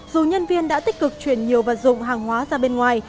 dù nhân viên đã tích cực chuyển nhiều vật dụng hàng hóa ra bên ngoài